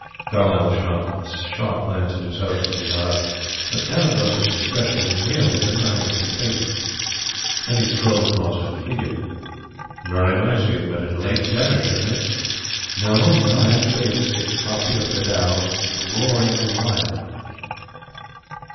Carlyle shot a sharp glance at his host as he got up, but Carrados's expression was merely benignly complacent. Then he strolled across to the figure. "Very nice," he admitted. "Late Flemish, isn't it?" "No, It is a copy of Vidal's 'Roaring Lion.'"